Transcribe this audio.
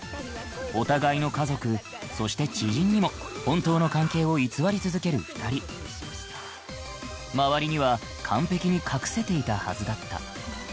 お互いの家族そして知人にも本当の関係を偽り続ける２人周りには完ペキに隠せていたはずだった